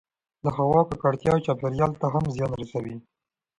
د هـوا کـکړتـيا چاپـېريال ته هم زيان رسـوي